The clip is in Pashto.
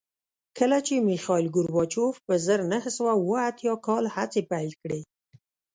کله چې میخایل ګورباچوف په زر نه سوه اووه اتیا کال هڅې پیل کړې